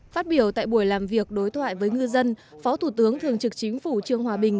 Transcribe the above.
phát biểu tại buổi làm việc đối thoại với ngư dân phó thủ tướng thường trực chính phủ trương hòa bình